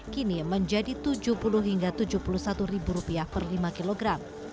kini menjadi rp tujuh puluh hingga rp tujuh puluh satu per lima kilogram